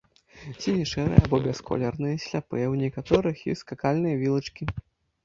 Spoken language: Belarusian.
Сіне-шэрыя або бясколерныя, сляпыя, у некаторых ёсць скакальныя вілачкі.